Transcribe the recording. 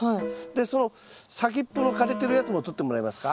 その先っぽの枯れてるやつも取ってもらえますか？